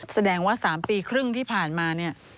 แสดงว่า๓ปีครึ่งที่ผ่านมา